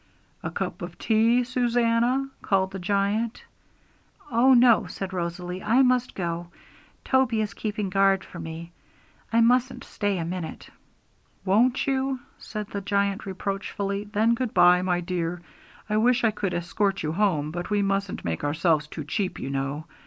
'A cup of tea, Susannah!' called the giant. 'Oh no,' said Rosalie; 'I must go. Toby is keeping guard for me; I mustn't stay a minute.' 'Won't you?' said the giant reproachfully; 'then goodbye, my dear. I wish I could escort you home, but we mustn't make ourselves too cheap, you know.